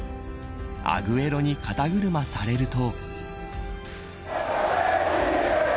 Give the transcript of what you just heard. アグエロに肩車されると。